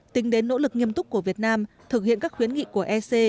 tính đến nỗ lực nghiêm túc của việt nam thực hiện các khuyến nghị của ec